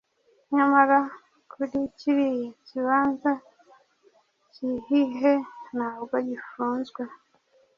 Nyamara kuri kiriya kibanza cyihihe ntabwo gifunzwe